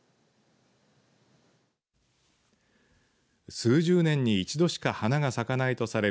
数十年に１度しか花が咲かないとされる